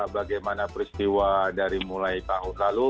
bagaimana peristiwa dari mulai tahun lalu